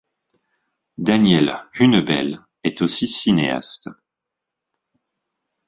Danielle Hunebelle est aussi cinéaste.